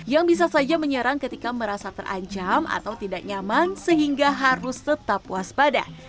yang bisa saja menyerang ketika merasa terancam atau tidak nyaman sehingga harus tetap waspada